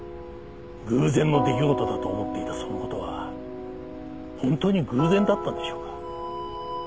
偶然の出来事だと思っていたその事は本当に偶然だったんでしょうか？